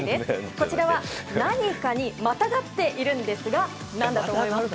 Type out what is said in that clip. こちらは何かにまたがっているんですが何だと思いますか？